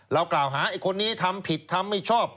กล่าวหาไอ้คนนี้ทำผิดทำไม่ชอบ